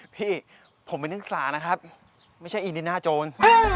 พี่ผมเป็นเรื่องศานะครับไม่ใช่อีนิน่าโจร